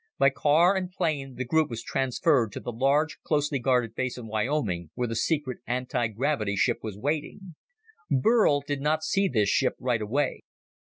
By car and plane the group was transferred to the large, closely guarded base in Wyoming where the secret anti gravity ship was waiting. Burl did not see this ship right away.